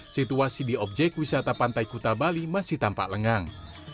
situasi di objek wisata pantai kuta bali masih tampak lengang